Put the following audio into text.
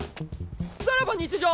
さらば日常！